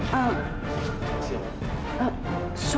harus pakai biasa